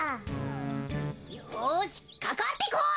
よしかかってこい！